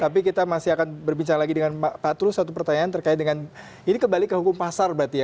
tapi kita masih akan berbincang lagi dengan pak tulus satu pertanyaan terkait dengan ini kembali ke hukum pasar berarti ya